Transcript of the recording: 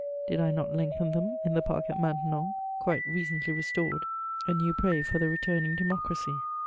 Did I not lengthen them in the park at Maintenon, quite recently restored, a new prey for the returning democracy?